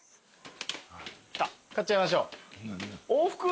買っちゃいましょう。